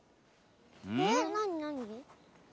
えなになに？